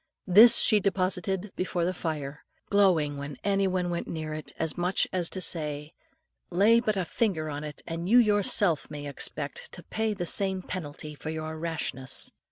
This she deposited before the fire, growling whenever any one went near it, as much as to say, "Lay but a finger on it, and you yourself may expect to pay the same penalty for your rashness."